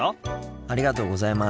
ありがとうございます。